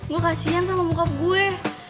gue kasian sama mukap gue